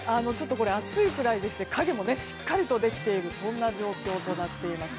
暑いくらいで影もしっかりできている状況になっています。